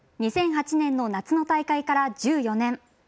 ２００８年の夏の大会から１４年。